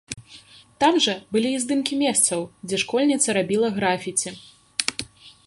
Там жа былі і здымкі месцаў, дзе школьніца рабіла графіці.